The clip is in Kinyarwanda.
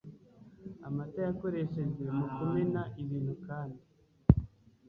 amata yakoreshejwe mu kumena ibintu kandi